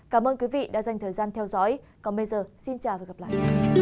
cảm ơn quý vị đã dành thời gian theo dõi còn bây giờ xin chào và hẹn gặp lại